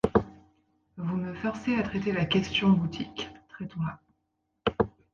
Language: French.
Vous me forcez à traiter la question boutique, traitons-la.